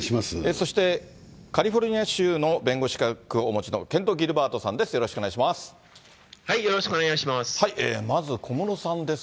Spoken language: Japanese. そして、カリフォルニア州の弁護士資格をお持ちのケント・ギルバートさんです。